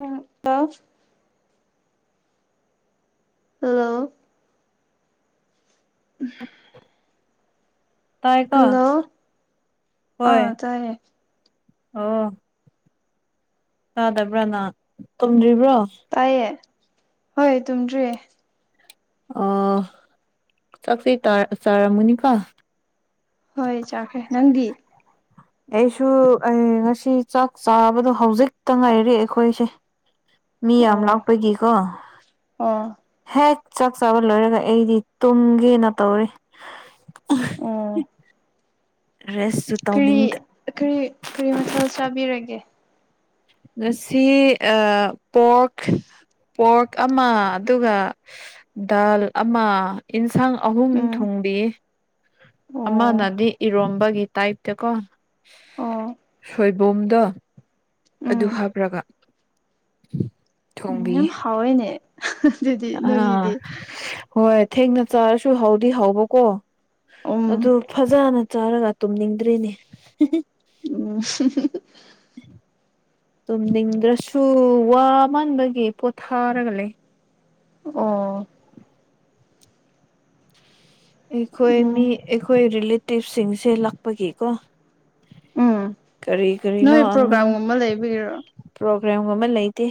ꯎꯝ ꯂꯣ ꯍꯜꯂꯣ ꯇꯥꯏꯀꯣ ꯍꯜꯂꯣ ꯍꯣꯏ ꯑꯥ ꯇꯥꯏꯌꯦ ꯑꯣ ꯇꯥꯗꯕ꯭ꯔꯅ ꯇꯨꯝꯗ꯭ꯔꯤꯕ꯭ꯔꯣ ꯇꯥꯏꯌꯦ ꯍꯣꯏ ꯇꯨꯝꯗ꯭ꯔꯤꯌꯦ ꯑꯣ ꯆꯥꯛꯇꯤ ꯇꯥꯔ ꯆꯥꯔꯝꯃꯅꯤꯀꯣ ꯍꯣꯏ ꯆꯥꯈ꯭ꯔꯦ ꯅꯪꯗꯤ ꯑꯩꯁꯨ ꯑꯩ ꯉꯁꯤ ꯆꯥꯛ ꯆꯥꯕꯗꯣ ꯍꯧꯖꯤꯛꯇ ꯉꯥꯏꯔꯤ ꯑꯩꯈꯣꯏꯁꯦ ꯃꯤ ꯌꯥꯝ ꯑꯣ ꯂꯥꯛꯄꯒꯤꯀꯣ ꯑꯣ ꯍꯦꯛ ꯆꯥꯛ ꯆꯥꯕ ꯂꯣꯏꯔꯒ ꯑꯩꯗꯤ ꯇꯨꯝꯒꯦꯅ ꯇꯧꯔꯤ‌꯫ ꯎꯝ ‌ꯍꯦꯁꯁꯨ ꯀꯔꯤ ꯀꯔꯤ ꯀꯔꯤ ꯃꯊꯦꯜ ꯆꯥꯕꯤꯔꯒꯦ꯫ ꯉꯁꯤ ꯑ ꯄꯣꯛ ꯄꯣꯛ ꯑꯃ ꯑꯗꯨꯒ ꯗꯥꯜ ꯑꯃ ꯏꯟꯁꯥꯡ ꯑꯍꯨꯝ ꯎꯝ ꯊꯣꯡꯕꯤ꯫ ꯑꯣ ꯑꯃꯅꯗꯤ ꯏꯔꯣꯝꯕꯒꯤ ꯇꯥꯏꯞ꯫ ꯇꯀꯣ ꯑꯣ ꯁꯣꯏꯕꯨꯝꯗꯣ ꯑꯗꯨ ꯎꯝ ꯍꯥꯞꯔꯒ꯫ [unintelligible] ꯌꯥꯝ ꯍꯥꯎꯋꯦꯅꯦ ꯑꯗꯨꯗꯤ ꯑꯥ ꯅꯣꯏꯒꯤꯗꯤ꯫ ꯍꯣꯏ ꯊꯦꯡꯅ ꯆꯥꯔꯁꯨ ꯍꯥꯎꯗꯤ ꯍꯧꯕꯀꯣ ꯎꯝ ꯑꯗꯨ ꯐꯖꯅ ꯆꯥꯔꯒ ꯇꯨꯝꯅꯤꯡꯗ꯭ꯔꯦꯅꯦ꯫ ꯎꯝ꯫ [unintelligible] ꯇꯨꯝꯅꯤꯡꯗ꯭ꯔꯁꯨ ꯋꯥ ꯃꯟꯕꯒꯤ ꯄꯣꯊꯥꯔꯒ ꯂꯩ꯫ ꯑꯣ꯫ ꯑꯩꯈꯣꯏ ꯃꯤ ꯎꯝ ꯑꯩꯈꯣꯏ ꯔꯤꯂꯦꯇꯤꯞꯁꯤꯡꯁꯦ ꯂꯥꯛꯄꯒꯤꯀꯣ꯫ ꯎꯝ ꯀꯔꯤ ꯀꯔꯤ ꯅꯣ ꯅꯣꯏ ꯑꯉꯥꯡ ꯄ꯭ꯔꯣꯒ꯭ꯔꯥꯝꯒꯨꯝꯕ ꯂꯩꯕꯒꯤꯔꯣ ꯄ꯭ꯔꯣꯒ꯭ꯔꯥꯝꯒꯨꯝꯕ ꯂꯩꯇꯦ꯫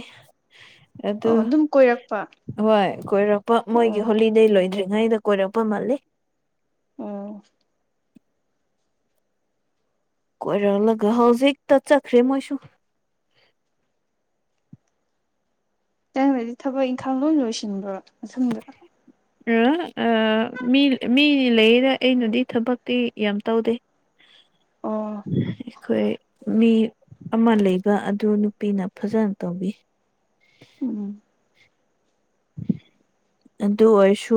ꯑꯗꯨ ꯑꯣ ꯑꯗꯨꯝ ꯀꯣꯏꯔꯛꯄ꯫ ꯍꯣꯏ ꯀꯣꯏꯔꯛꯄ ꯃꯣꯏꯒꯤ ꯑꯣ ꯍꯣꯂꯤꯗꯦ ꯂꯣꯏꯗ꯭ꯔꯤꯉꯩꯗ ꯀꯣꯏꯔꯛꯄ ꯃꯥꯜꯂꯤ꯫ ꯎꯝ꯫ ꯀꯣꯏꯔꯛꯂꯒ ꯍꯧꯖꯤꯛꯇ ꯆꯠꯈ꯭ꯔꯦ ꯃꯣꯏꯁꯨ꯫ ꯅꯪꯅꯗꯤ ꯊꯕꯛ ꯏꯪꯈꯥꯡ ꯂꯣꯏ ꯂꯣꯏꯁꯤꯟꯕ꯭ꯔꯣ ꯅꯊꯪꯟꯗ꯫ ꯑꯥꯍ ꯑ ꯃꯤ ꯃꯤ ꯂꯩꯌꯦꯗ ꯑꯩꯅꯗꯤ ꯊꯕꯛꯇꯤ ꯌꯥꯝ ꯇꯧꯗꯦ꯫ ꯑꯣ ꯑꯩꯈꯣꯏ ꯃꯤ ꯑꯃ ꯂꯩ꯫ ꯕ ꯑꯗꯨ ꯅꯨꯄꯤꯅ ꯐꯖꯅ ꯇꯧꯕꯤ꯫ ꯎꯝ꯫ ꯑꯗꯨ ꯑꯣꯏꯁꯨ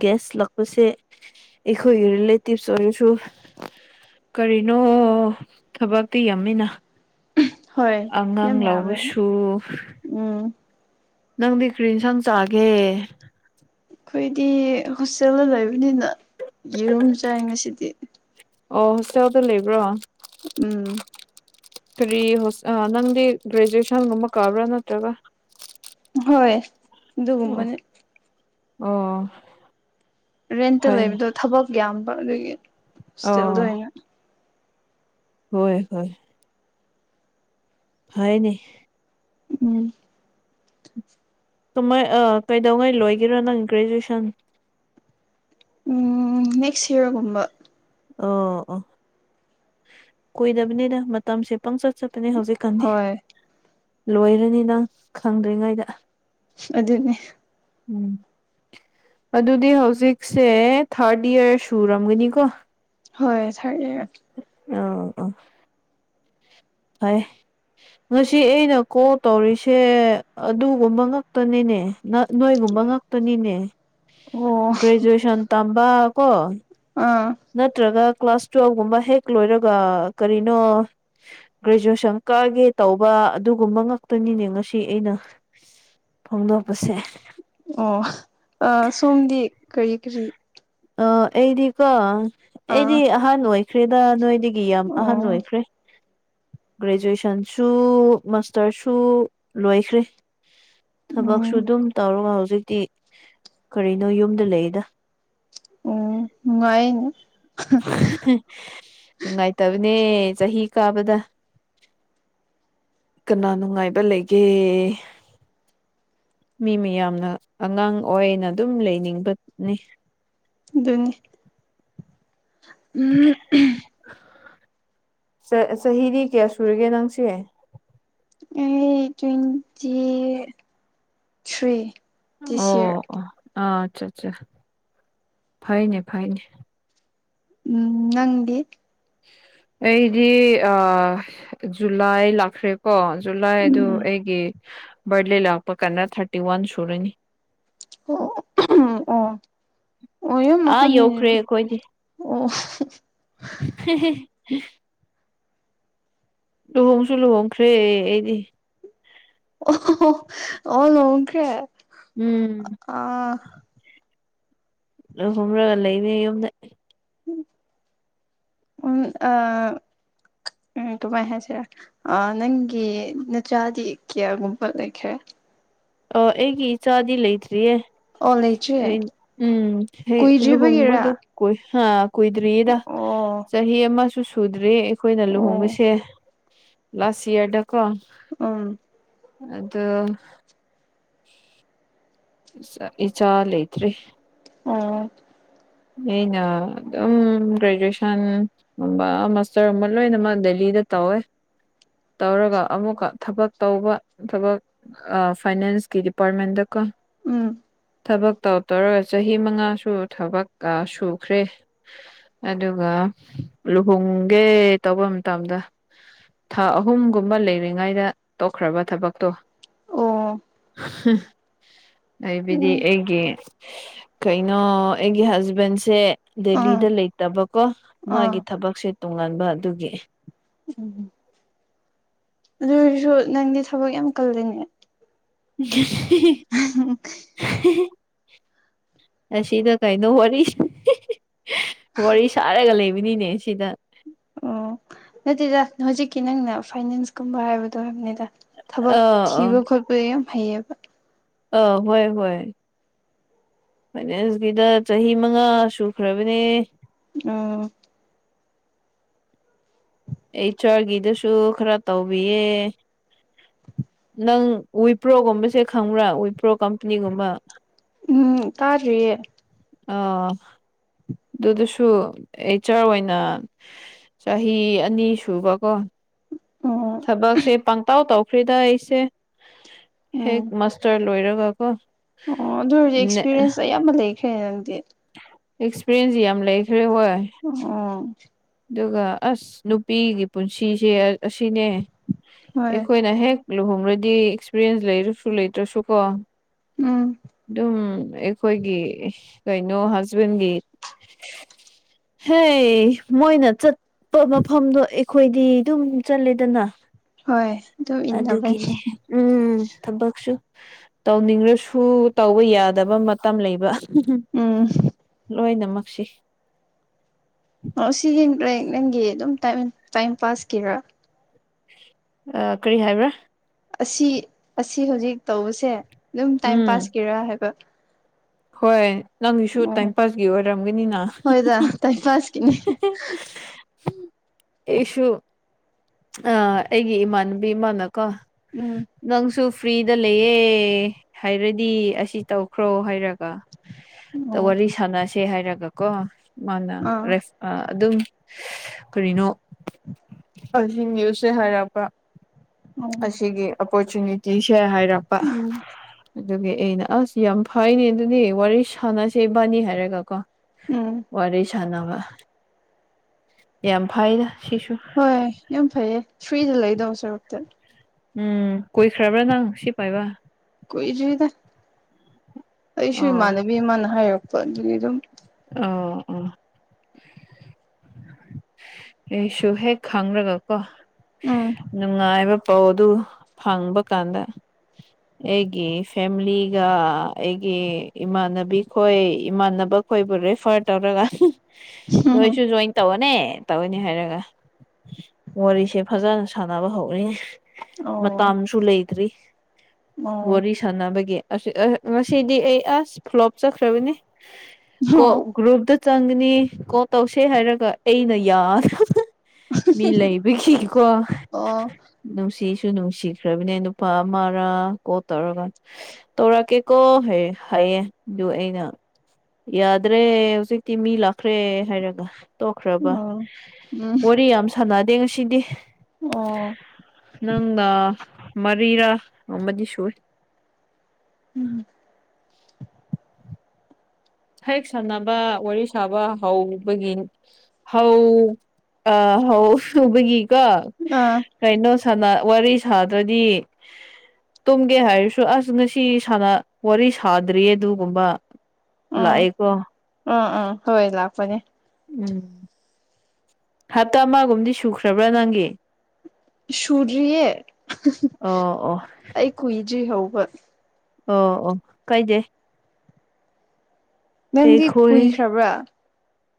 ꯒꯦꯁ ꯂꯛꯄꯁꯦ ꯑꯩꯈꯣꯏ ꯔꯦꯂꯦꯇꯤꯞꯁ ꯑꯣꯏꯔꯁꯨ ꯀꯔꯤꯅꯣ ꯊꯕꯛꯇꯤ ꯌꯥꯝꯃꯤꯅ꯫ ꯍꯣꯏ ꯑꯉꯥꯡ ꯌꯥꯝ ꯌꯥꯝꯃꯦ ꯂꯧꯕꯁꯨ꯫ ꯎꯝ꯫ ꯅꯪꯗꯤ ꯀꯔꯤ ꯏꯟꯁꯥꯡ ꯆꯒꯦ꯫ ꯑꯩꯈꯣꯏꯗꯤ ꯍꯣꯁꯇꯦꯜꯗ ꯂꯩꯕꯅꯤꯅ ꯌꯦꯔꯨꯝ ꯆꯥꯏ ꯉꯁꯤꯗꯤ꯫ ꯑꯣ ꯍꯣꯁꯇꯦꯜꯗ ꯂꯩꯕ꯭ꯔꯣ꯫ ꯎꯝ꯫ ꯀꯔꯤ ꯍꯣꯁ ꯑ ꯅꯪꯗꯤ ꯒꯔꯦꯖꯨꯑꯦꯁꯟ ꯒꯨꯝꯕ ꯀꯕꯔꯥ ꯅꯠꯇꯔꯒꯥ ꯍꯣꯏ ꯑꯣ ꯑꯗꯨꯒꯨꯝꯕꯅꯤ꯫ ꯑꯣ꯫ ꯔꯦꯟꯇ ꯐꯩꯅꯦ ꯂꯩꯕꯗꯣ ꯊꯕꯛ ꯌꯥꯝꯕ ꯑꯗꯨꯒꯤ ꯍꯣꯁꯇꯦꯜꯗ ꯑꯣ ꯑꯣꯏꯅ ꯍꯣꯏ ꯍꯣꯏ꯫ ꯍꯥꯏꯅꯦ꯫ ꯎꯝ꯫ ꯀꯃꯥꯏ ꯑ ꯀꯩꯗꯧꯉꯩ ꯂꯣꯏꯒꯦꯔ ꯅꯪ ꯒꯔꯦꯖꯨꯋꯦꯁꯟ꯫ ꯎꯝ ꯅꯦꯛꯁ ꯏꯌꯥꯔꯒꯨꯝꯕ꯫ ꯑꯣ ꯑꯣ ꯀꯨꯏꯗꯕꯅꯤꯅ ꯃꯇꯝꯁꯦ ꯄꯪꯆꯠ ꯆꯠꯄꯅꯦ ꯍꯧꯖꯤꯛ ꯀꯅꯤ ꯍꯣꯏ ꯂꯣꯏꯔꯅꯤꯗ ꯅꯪ ꯈꯪꯗ꯭ꯔꯤꯉꯩꯗ ꯑꯗꯨꯅꯦ ꯎꯝ ꯑꯗꯨꯗꯤ ꯍꯧꯖꯤꯛꯁꯦ ꯊꯥꯔꯠ ꯏꯌꯥꯔ ꯁꯨꯔꯝꯒꯅꯤꯀꯣ ꯍꯣꯏ ꯊꯥꯔꯠ ꯏꯌꯥꯔ ꯑꯣ ꯑꯣ ꯍꯣꯢ ꯉꯁꯤ ꯑꯩꯅ ꯀꯣꯜ ꯇꯧꯔꯤꯁꯦ ꯑꯗꯨꯒꯨꯝꯕ ꯉꯥꯛꯇꯅꯤꯅꯦ ꯅꯣꯏꯒꯨꯝꯕ ꯉꯥꯛ ꯅꯤꯅꯦ ꯑꯣ ꯒ꯭ꯔꯦꯖꯨꯑꯦꯁꯟ ꯇꯝꯕ ꯀꯣ ꯑꯥ ꯅꯠꯇ꯭ꯔꯒ ꯀ꯭ꯂꯥꯁ ꯇꯨꯋꯦꯜ ꯒꯨꯝꯕ ꯍꯦꯛ ꯂꯣꯏꯔꯒ ꯀꯔꯤꯅꯣ ꯒ꯭ꯔꯦꯖꯨꯑꯦꯁꯟ ꯀꯥꯒꯦ ꯇꯧꯕ ꯑꯗꯨꯒꯨꯝꯕ ꯉꯥꯛꯇꯅꯤꯅꯦ ꯉꯁꯤ ꯑꯩꯅ ꯐꯣꯡꯗꯣꯛꯄꯁꯦ ꯑꯣ ꯁꯣꯝꯗꯤ ꯀꯔꯤ ꯀꯔꯤ ꯑꯥ ꯑꯩꯗꯤꯀꯣ ꯑꯥ ꯑꯩꯗꯤ ꯑꯍꯥꯟ ꯑꯣꯏꯈ꯭ꯔꯦꯗ ꯅꯣꯏꯗꯤ ꯒꯤ ꯌꯥꯝ ꯑꯍꯟ ꯑꯣ ꯑꯣꯏꯈ꯭ꯔꯦ ꯒ꯭ꯔꯦꯖꯨꯑꯦꯁꯟꯁꯨ ꯃꯥꯁꯇꯔꯁꯨ ꯂꯣꯏꯈ꯭ꯔꯦ ꯊꯕꯛꯁꯨ ꯎꯝ ꯑꯗꯨꯝ ꯇꯧꯔꯒ ꯍꯧꯖꯤꯛꯇꯤ ꯀꯔꯤꯅꯣ ꯌꯨꯝꯗ ꯂꯩꯗ ꯎꯝ ꯅꯨꯡꯉꯥꯢꯅꯦ ꯅꯨꯡꯉꯥꯏꯇꯕꯅꯦ ꯆꯍꯤ ꯀꯥꯕꯗ ꯀꯅꯥ ꯅꯨꯡꯉꯥꯏꯕ ꯂꯩꯒꯦ ꯃꯤ ꯃꯌꯥꯝꯅ ꯑꯉꯥꯡ ꯑꯣꯏꯅ ꯑꯗꯨꯝ ꯂꯩꯅꯤꯡꯕꯅꯤ ꯑꯗꯨꯅꯤ ꯎꯝ ꯆꯍꯤꯗꯤ ꯀꯌꯥ ꯁꯨꯔꯒꯦ ꯅꯪꯁꯦ ꯑꯩ ꯇ꯭ꯋꯦꯟꯇꯤ ꯊ꯭ꯔꯤ ꯑꯣ ꯗꯤꯁ ꯌꯔ ꯑꯣ ꯑꯥ ꯑꯠꯆꯥ ꯑꯠꯆꯥ ꯐꯩꯅꯦ ꯐꯩꯅꯦ ꯎꯝ ꯅꯪꯗꯤ ꯑꯩꯗꯤ ꯑꯥ ꯖꯨꯂꯥꯏ ꯂꯥꯛꯈ꯭ꯔꯦꯀꯣ ꯖꯨꯂꯥꯏ ꯑꯗꯨ ꯎꯝ ꯑꯩꯒꯤ ꯕꯥꯔꯗꯦ ꯂꯥꯛꯄ ꯀꯥꯟꯗ ꯊꯥꯔꯇꯤ ꯋꯥꯟ ꯁꯨꯔꯅꯤ ꯑꯣ ꯑꯣ ꯑꯣ ꯌꯥꯝ ꯑꯥ ꯑꯍꯥꯟꯅꯤꯅꯦ ꯌꯧꯈ꯭ꯔꯦ ꯑꯗꯨꯗꯤ ꯑꯩꯈꯣꯏꯗꯤ ꯑꯣ [unintelligible] ꯂꯨꯍꯣꯡꯁꯨ ꯂꯨꯍꯣꯡꯈ꯭ꯔꯦ ꯑꯩꯗꯤ ꯑꯣ ꯑꯣ ꯂꯨꯍꯣꯡꯈ꯭ꯔꯦ ꯎꯝ ꯑꯥ ꯂꯨꯍꯣꯡꯂꯒ ꯂꯩꯔꯦ ꯌꯨꯝꯗ ꯎꯝ ꯑꯥ ꯎꯝ ꯑꯗꯨꯃꯥꯢ ꯍꯥꯏꯁꯤꯔꯥ ꯑꯥ ꯅꯪꯒꯤ ꯅꯆꯥꯥꯗꯤ ꯀꯌꯥꯒꯨꯝꯕ ꯂꯩꯈ꯭ꯔꯦ ꯑꯣ ꯑꯩꯒꯤ ꯏꯆꯥꯗꯤ ꯂꯩꯇ꯭ꯔꯤꯌꯦ ꯑꯣ ꯑꯩ ꯂꯩꯇ꯭ꯔꯤ ꯎꯝ ꯍꯦꯛ ꯂꯨꯍꯣꯡꯕꯗꯨ ꯀꯨꯏꯗ꯭ꯔꯤꯕꯒꯤꯔꯥ ꯀꯨꯏ ꯍꯥ ꯀꯨꯏꯗ꯭ꯔꯤꯌꯦꯗ ꯑꯣ ꯆꯍꯤ ꯑꯃꯁꯨ ꯁꯨꯗ꯭ꯔꯤ ꯑꯩꯈꯣꯏꯅ ꯑꯣ ꯂꯨꯍꯣꯡꯕꯁꯦ ꯂꯥꯁ ꯏꯌꯥꯔꯗꯀꯣ ꯎꯝ ꯑꯗꯨ ꯏꯆꯥ ꯂꯩꯇ꯭ꯔꯤ ꯑ ꯑꯩꯅ ꯑꯗꯨꯝ ꯒ꯭ꯔꯦꯖꯨꯋꯦꯁꯟ ꯒꯨꯝꯕ ꯃꯁꯇꯔ ꯒꯨꯝꯕ ꯂꯣꯏꯅꯃꯛ ꯗꯦꯂꯤꯗ ꯇꯧꯋꯦ ꯇꯧꯔꯒ ꯑꯃꯨꯛꯀ ꯊꯕꯛ ꯇꯧꯕ ꯊꯕꯛ ꯑ ꯐꯥꯏꯅꯦꯟꯁꯀꯤ ꯗꯤꯄꯥꯔꯠꯃꯦꯟꯗ ꯀꯣ ꯎꯝ ꯊꯕꯛ ꯇꯧ ꯇꯧꯔꯒ ꯆꯍꯤ ꯃꯉꯥꯁꯨ ꯊꯕꯛ ꯑ ꯁꯨꯈ꯭ꯔꯦ ꯑꯗꯨꯒ ꯂꯨꯍꯣꯡꯒꯦ ꯇꯧꯕ ꯃꯇꯝꯗ ꯊꯥ ꯑꯍꯨꯝꯒꯨꯝꯕ ꯂꯩꯔꯤꯉꯩꯗ ꯇꯣꯛꯈ꯭ꯔꯕ ꯊꯕꯛꯇꯣ ꯑꯣ ꯍꯥꯏꯕꯤꯗꯤ ꯎꯝ ꯑꯩꯒꯤ ꯀꯩꯅꯣ ꯑꯩꯒꯤ ꯍꯁꯕꯦꯟꯁꯦ ꯑꯥ ꯗꯦꯂꯤꯗ ꯂꯩꯇꯕꯀꯣ ꯃꯥꯒꯤ ꯑꯥ ꯊꯕꯛꯁꯦ ꯇꯣꯉꯥꯟꯕ ꯑꯗꯨꯒꯤ [inaudible] ꯑꯗꯨꯑꯣꯏꯔꯁꯨ ꯅꯪꯗꯤ ꯊꯕꯛ ꯌꯥꯝ ꯀꯜꯂꯦꯅꯦ [unintelligible] [unintelligible] ꯑꯁꯤꯗ ꯀꯩꯅꯣ ꯋꯥꯔꯤꯁꯤ ꯋꯥꯔꯤ ꯁꯥꯔꯒ ꯂꯩꯕꯅꯤꯅꯦ ꯁꯤꯗ ꯑꯣ ꯅꯠꯇꯦꯗ ꯍꯧꯖꯤꯛꯀꯤ ꯅꯪꯅ ꯐꯥꯏꯅꯦꯟꯁꯀꯨꯝꯕ ꯍꯥꯏꯕꯗꯣ ꯍꯥꯏꯕꯅꯤꯗ ꯊꯕꯛ ꯑꯥ ꯊꯤꯕ ꯈꯣꯠꯄ ꯌꯥꯝ ꯐꯩꯌꯦꯕ ꯑ ꯍꯣꯏ ꯍꯣꯏ ꯐꯥꯏꯅꯦꯟꯁꯀꯤꯗ ꯆꯍꯤ ꯃꯉꯥ ꯁꯨꯈ꯭ꯔꯕꯅꯦ ꯑ ꯑꯦꯆ ꯑꯥ꯭ꯔ ꯒꯤꯗꯨꯁꯨ ꯈꯔ ꯇꯧꯕꯤꯌꯦ ꯅꯪ ꯋꯤꯄ꯭ꯔꯣꯒꯨꯝꯕꯁꯦ ꯈꯪꯕ꯭ꯔꯥ ꯋꯤꯄ꯭ꯔꯣ ꯀꯝꯄꯅꯤꯒꯨꯝꯕ ꯎꯝ ꯇꯥꯗ꯭ꯔꯤꯌꯦ ꯑ ꯑꯗꯨꯗꯁꯨ ꯑꯩꯆꯔ ꯑꯣꯏꯅ ꯆꯍꯤ ꯑꯅꯤ ꯁꯨꯕꯀꯣ ꯎꯝ ꯊꯕꯛꯁꯦ ꯄꯪꯇꯧ ꯇꯧꯈ꯭ꯔꯦꯗ ꯑꯩꯁꯦ ꯍꯦꯛ ꯎꯝ ꯃꯥꯁꯇꯔ ꯂꯣꯏꯔꯒꯀꯣ ꯑꯣ ꯑꯗꯨ ꯑꯣꯏꯔꯗꯤ ꯑꯦꯛꯁꯄꯤꯔꯦꯟꯁ ꯑꯌꯥꯝꯕ ꯂꯩꯈ꯭ꯔꯦ ꯅꯪꯗꯤ ꯑꯦꯛꯁꯄ꯭ꯔꯦꯟꯁ ꯌꯥꯝ ꯂꯩꯈ꯭ꯔꯦ ꯍꯣꯏ ꯑꯣ ꯑꯗꯨꯒ ꯑꯁ ꯅꯨꯄꯤꯒꯤ ꯄꯨꯟꯁꯤꯁꯦ ꯑ ꯑꯁꯤꯅꯦ ꯍꯣꯏ ꯑꯩꯈꯣꯏꯅ ꯍꯦꯛ ꯂꯨꯍꯣꯡꯔꯗꯤ ꯑꯦꯛꯁ꯭ꯄꯔꯦꯟꯁ ꯂꯩꯔꯁꯨ ꯂꯩꯇ꯭ꯔꯁꯨꯀꯣ ꯎꯝ ꯑꯗꯨꯝ ꯈꯣꯏꯒꯤ ꯀꯩꯅꯣ ꯍꯁꯕꯦꯟꯒꯤ ꯍꯩ ꯃꯣꯏꯅ ꯆꯠꯄ ꯃꯐꯝꯗꯣ ꯑꯩꯈꯣꯏꯗꯤ ꯗꯨꯝ ꯆꯠꯂꯦꯗꯅ ꯍꯣꯏ ꯑꯗꯨ ꯏꯟꯅꯕꯅꯤ ꯑꯗꯨꯒꯤꯅꯦ ꯎꯝ ꯊꯕꯛꯁꯨ ꯇꯧꯅꯤꯡꯔꯁꯨ ꯇꯧꯕ ꯌꯥꯗꯕ ꯃꯇꯝ ꯂꯩꯕ ꯎꯝ ꯂꯣꯏꯅꯃꯛꯁꯤ ꯑ ꯁꯤ [inaudible] ꯅꯪꯒꯤ ꯗꯨꯝ ꯇꯥꯏꯝ ꯇꯥꯏꯝ ꯄꯥꯁꯀꯤꯔꯥ ꯑ ꯀ꯭ꯔꯤ ꯍꯥꯏꯕ꯭ꯔꯥ ꯑꯁꯤ ꯑꯁꯤ ꯍꯧꯖꯤꯛ ꯇꯧꯕꯁꯦ ꯗꯨꯝ ꯇꯥꯏꯝ ꯎꯝ ꯄꯥꯁꯀꯤꯔ ꯍꯥꯏꯕ ꯍꯣꯏ ꯅꯪꯒꯤꯁꯨ ꯇꯥꯏꯝ ꯑꯣ ꯄꯥꯁꯀꯤ ꯑꯣꯏꯔꯝꯒꯅꯤꯅ ꯍ ꯍꯣꯏꯗ ꯇꯥꯏꯝ ꯄꯥꯁꯀꯤꯅꯤ ꯍ ꯍ ꯍꯍꯦ ꯑꯩꯁꯨ ꯑ ꯑꯩꯒꯤ ꯏꯃꯥꯟꯅꯕꯤ ꯑꯃꯥꯅꯀꯣ ꯎꯝ ꯅꯪꯁꯨ ꯐ꯭ꯔꯤꯗ ꯂꯩꯌꯦ ꯍꯥꯏꯔꯗꯤ ꯑꯁꯤ ꯇꯧꯈ꯭ꯔꯣ ꯍꯥꯏꯔꯒ ꯑꯣ ꯋꯥꯔꯤ ꯁꯥꯟꯅꯁꯦ ꯍꯥꯏꯔꯒ ꯀꯣ ꯃꯥꯅ ꯑꯥ ꯔꯦꯐ ꯑ ꯑꯗꯨꯝ ꯀꯔꯤꯅꯣ [inaudible] ꯑꯁꯤ ꯅ꯭ꯌꯨꯁꯁꯦ ꯍꯥꯏꯔꯛꯄ ꯑꯣ ꯑꯁꯤꯒꯤ ꯑꯣꯄꯣꯔꯆꯨꯅꯤꯇꯤꯁꯦ ꯍꯥꯏꯔꯛꯄ ꯎꯝ ꯑꯗꯨꯒꯤ ꯑꯩꯅ ꯑꯁ ꯌꯥꯝ ꯐꯥꯏꯅꯦ ꯑꯗꯨꯗꯤ ꯋꯥꯔꯤ ꯁꯥꯟꯅꯁꯦ ꯏꯕꯥꯟꯅꯤ ꯍꯥꯏꯔꯒ ꯀꯣ ꯎꯝ ꯋꯥꯔꯤ ꯁꯥꯟꯅꯕ ꯌꯥꯝ ꯐꯥꯏꯗ ꯁꯤꯁꯨ ꯍꯣꯏ ꯌꯥꯝ ꯐꯩꯌꯦ ꯐ꯭ꯔꯤꯗ ꯂꯩꯗꯧ ꯁꯔꯨꯛꯇ ꯎꯝ ꯀꯨꯏꯈ꯭ꯔꯕ꯭ꯔꯥ ꯅꯪ ꯁꯤ ꯄꯥꯏꯕ ꯀꯨꯏꯗ꯭ꯔꯤꯗ ꯑꯩꯁꯨ ꯑꯣ ꯏꯃꯥꯟꯅꯕꯤ ꯑꯃꯅ ꯍꯥꯏꯔꯛꯄ ꯑꯗꯨꯒꯤ ꯑꯗꯨꯝ ꯑꯥꯎ ꯑꯩꯁꯨ ꯍꯦꯛ ꯈꯪꯔꯒꯀꯣ ꯎꯝ ꯅꯨꯡꯉꯥꯏꯕ ꯄꯥꯎ ꯗꯨ ꯐꯪꯕ ꯀꯥꯟꯗ ꯑꯩꯒꯤ ꯐꯦꯃꯤꯂꯤꯒ ꯑꯩꯒꯤ ꯏꯃꯥꯟꯅꯕꯤꯈꯣꯏ ꯏꯃꯥꯟꯅꯕ ꯑꯩꯈꯣꯏꯕꯨ ꯔꯦꯐꯔ ꯇꯧꯔꯒ ꯅꯣꯏꯁꯨ ꯖꯣꯏꯟ ꯇꯧꯋꯣꯅꯦ ꯇꯧꯋꯦꯅꯦ ꯍꯥꯏꯔꯒ ꯋꯥꯔꯤꯁꯦ ꯐꯖꯅ ꯁꯥꯟꯅꯕ ꯍꯧꯔꯦ ꯑꯣ ꯃꯥꯇꯝꯁꯨ ꯂꯩꯇ꯭ꯔꯤ ꯑꯣ ꯋꯥꯔꯤ ꯁꯥꯟꯅꯕꯒꯤ ꯑꯁ ꯑ ꯉꯁꯤꯗꯤ ꯑꯩ ꯑꯁ ꯐ꯭ꯂꯣꯞ ꯆꯠꯈ꯭ꯔꯕꯅꯤ ꯀꯣ ꯒ꯭ꯔꯨꯞꯇ ꯆꯪꯒꯅꯤ ꯀꯣꯜ ꯇꯧꯁꯦ ꯍꯥꯏꯔꯒ ꯑꯩꯅ ꯌꯥꯗꯅ ꯃꯤ ꯂꯩꯕꯒꯤꯀꯣ ꯑꯣ ꯑꯣ ꯅꯨꯡꯁꯤꯁꯨ ꯅꯨꯡꯁꯤꯈ꯭ꯔꯕꯅꯦ ꯅꯨꯄꯥ ꯑꯃꯔꯥ ꯀꯣꯜ ꯇꯧꯔꯒ ꯇꯧꯔꯛꯀꯦꯀꯣ ꯍꯥꯏꯌꯦ ꯍꯥꯏꯌꯦ ꯑꯗꯨꯒ ꯑꯩꯅ ꯌꯥꯗ꯭ꯔꯦ ꯍꯧꯖꯤꯛꯇꯤ ꯃꯤ ꯂꯥꯛꯈ꯭ꯔꯦ ꯍꯥꯏꯔꯒ ꯇꯣꯛꯈ꯭ꯔꯕ ꯑꯣ ꯎꯝ ꯋꯥꯔꯤ ꯌꯥꯝ ꯁꯥꯟꯅꯗꯦ ꯉꯁꯤꯗꯤ ꯑꯣ ꯅꯪꯅ ꯃꯔꯤꯔꯥ ꯑꯃꯗꯤ ꯁꯨꯏ ꯎꯝ ꯍꯦꯛ ꯁꯥꯟꯅꯕ ꯋꯥꯔꯤ ꯁꯥꯕ ꯍꯧꯕꯒꯤ ꯍꯧ ꯑ ꯍꯧ ꯕꯒꯤꯀꯣ ꯑꯥ ꯀꯩꯅꯣ ꯁꯟꯅ ꯋꯥꯔꯤ ꯁꯥꯗ꯭ꯔꯗꯤ ꯇꯨꯝꯒꯦ ꯍꯥꯏꯔꯁꯨ ꯑꯁ ꯉꯁꯤ ꯁꯟꯅ ꯋꯥꯔꯤ ꯁꯥꯗ꯭ꯔꯤꯌꯦ ꯑꯗꯨꯒꯨꯝꯕ ꯎꯝ ꯂꯥꯛꯑꯦꯀꯣ ꯎꯝ ꯎꯝ ꯍꯣꯏ ꯂꯥꯛꯄꯅꯦ ꯎꯝ ꯍꯞꯇꯥꯃꯥ ꯒꯨꯝꯗꯤ ꯁꯨꯈ꯭ꯔꯕ꯭ꯔꯥ ꯅꯪꯒꯤ ꯁꯨꯗ꯭ꯔꯤꯌꯦ ꯑꯣ ꯑꯣ ꯑꯩ ꯀꯨꯏꯗ꯭ꯔꯤ ꯍꯧꯕ ꯑꯣ ꯑꯣ ꯀꯥꯏꯗꯦ ꯅꯪꯗꯤ ꯑꯩꯈꯣꯏ ꯀꯨꯏꯈ꯭ꯔꯕ꯭ꯔꯥ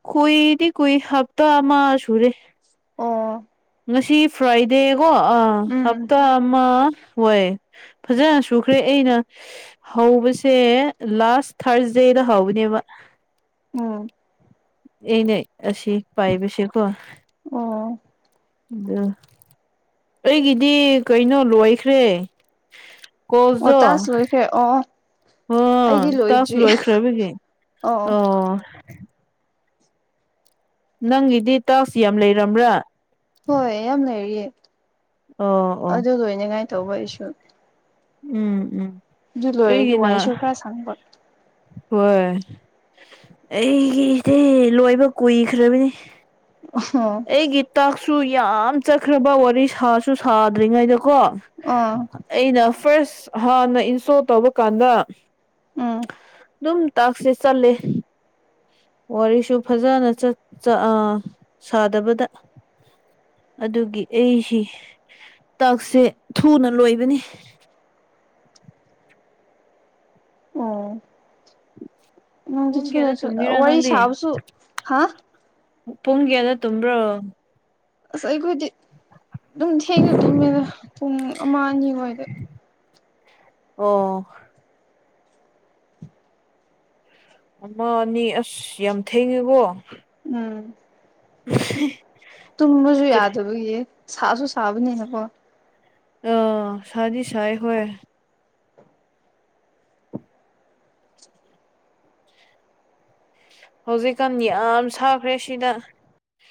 ꯀꯨꯏꯗꯤ ꯀꯨꯏ ꯍꯥꯞꯇꯥ ꯑꯃꯥ ꯁꯨꯔꯦ ꯑꯣ ꯉꯁꯤ ꯐ꯭ꯔꯥꯏꯗꯦꯀꯣ ꯑꯥ ꯎꯝ ꯍꯞꯇꯥ ꯑꯃ ꯍꯣꯏ ꯐꯖꯅ ꯁꯨꯈ꯭ꯔꯦ ꯑꯩꯅ ꯍꯧꯕꯁꯦ ꯂꯥꯁ ꯊꯥꯔ ꯗꯦꯗ ꯍꯧꯕꯅꯦꯕ ꯎꯝ ꯑꯩꯅ ꯑꯁꯤ ꯄꯥꯏꯕꯁꯦꯀꯣ ꯑꯣ ꯗꯨ ꯑꯩꯒꯤꯗꯤ ꯀꯩꯅꯣ ꯂꯣꯏꯈ꯭ꯔꯦ ꯑꯣ ꯀꯣꯖꯗꯣ ꯇꯥꯛꯁ ꯂꯣꯏꯈ꯭ꯔꯦ ꯑꯣ ꯑꯣ ꯑꯩꯗꯤ ꯇꯥꯀ꯭ꯁ ꯂꯣꯏꯗ꯭ꯔꯤ ꯂꯣꯏꯈ꯭ꯔꯕꯒꯤ ꯑꯣ ꯅꯪꯒꯤꯗꯤ ꯇꯥꯀ꯭ꯁ ꯌꯥꯝ ꯂꯩꯔꯝꯕ꯭ꯔꯥ ꯍꯣꯏ ꯌꯥꯝ ꯂꯩꯔꯤꯌꯦ ꯑꯣ ꯑꯣ ꯑꯗꯨ ꯂꯣꯏꯅꯉꯥꯏ ꯇꯧꯕ ꯑꯩꯁꯨ ꯎꯝ ꯎꯝ ꯑꯗꯨ ꯂꯣꯏꯔꯗꯤ ꯋꯥꯏꯁꯨ ꯈꯔ ꯁꯪꯕ ꯋꯣꯏ ꯑꯩꯒꯤꯗꯤ ꯂꯣꯏꯕ ꯀꯨꯏꯈ꯭ꯔꯕꯅꯤ ꯑꯣ ꯑꯩꯒꯤ ꯇꯥꯛꯁꯨ ꯌꯥꯝ ꯆꯠꯈ꯭ꯔꯕ ꯋꯥꯔꯤ ꯁꯥꯁꯨ ꯁꯥꯗ꯭ꯔꯤꯉꯩꯗꯀꯣ ꯑꯣ ꯑꯩꯅ ꯐꯥꯔ꯭ꯁ ꯑꯍꯥꯟꯅ ꯏꯟꯁꯇꯣꯜ ꯇꯧꯕ ꯀꯥꯟꯗ ꯎꯝ ꯗꯨꯝ ꯇꯥꯛꯁꯦ ꯆꯠꯂꯦ ꯋꯥꯔꯤꯁꯨ ꯐꯖꯅ ꯆꯠ ꯆ ꯑ ꯁꯥꯗꯕꯗ ꯑꯗꯨꯒꯤ ꯑꯩꯁꯤ ꯇꯥꯛꯁꯦ ꯊꯨꯅ ꯂꯣꯏꯕꯅꯤ ꯑꯣ ꯅꯪꯗꯤ ꯄꯨꯡ ꯀ꯭ꯋꯥꯗꯥ ꯊꯨꯅ ꯊꯨꯅ ꯇꯨꯝꯤꯔꯥ ꯋꯥꯔꯤ ꯅꯪꯗꯤ ꯁꯥꯕꯁꯨ ꯍꯥ ꯄꯨꯡ ꯀ꯭ꯌꯥꯗꯥ ꯇꯨꯝꯕ꯭ꯔꯣ ꯑꯁ ꯑꯩꯈꯣꯏꯗꯤ ꯑꯗꯨꯝ ꯊꯦꯡꯅ ꯇꯨꯝꯃꯦꯗ ꯄꯨꯡ ꯑꯃ ꯑꯅꯤ ꯋꯥꯏꯗ ꯑꯣ ꯑꯃ ꯑꯅꯤ ꯑꯁ ꯌꯥꯝ ꯊꯦꯡꯉꯦꯀꯣ ꯎꯝ ꯇꯨꯝꯕꯁꯨ ꯀꯔꯤ ꯌꯥꯗꯕꯒꯤ ꯁꯥꯁꯨ ꯁꯥꯕꯅꯦꯅꯀꯣ ꯑ ꯁ꯭ꯅꯤ ꯁꯥꯏ ꯍꯣꯏ ꯍꯧꯖꯤꯛꯀꯥꯟ ꯌꯥꯝ ꯁꯥꯈ꯭ꯔꯦ ꯁꯤꯗ